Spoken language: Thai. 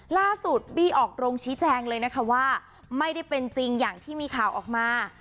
ล่าสุดบี้ออกโรงชี้แจงเลยนะคะว่าไม่ได้เป็นจริงอย่างที่มีข่าวออกมา